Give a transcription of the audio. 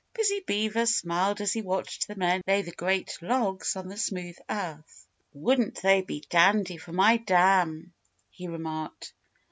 Busy Beaver smiled as he watched the men lay the great logs on the smooth earth. "Wouldn't they be dandy for my dam?" he remarked.